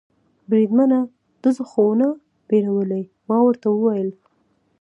بریدمنه، ډزو خو و نه بیرولې؟ ما ورته وویل.